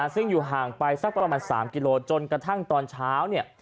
ซึ่งอยู่ห่างไปสักประมาณ๓กิโลจนกระทั่งตอนเช้าเนี่ย